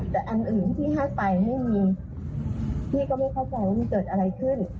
แต่อันอื่นที่พี่ให้ไปไม่มีพี่ก็ไม่เข้าใจว่ามันเกิดอะไรขึ้น